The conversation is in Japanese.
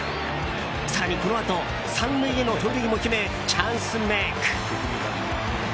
更にこのあと３塁への盗塁も決めチャンスメイク。